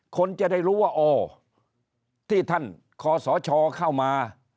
คนจะได้รู้ว่าอ๋อที่ท่านคอสชเข้ามา